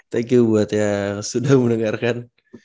thank you buat yang sudah mendengarkan